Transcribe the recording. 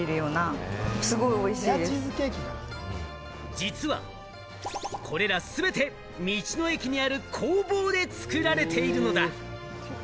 実はこれらすべて、道の駅にある工房で作られているのだ！